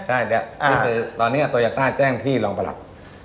ใช่ตอนนี้โตยาต้าแจ้งที่รองประหลัก